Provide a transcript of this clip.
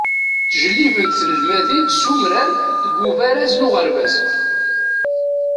Ttǧellibent tnelmadin s umrar deg ubaraz n uɣerbaz.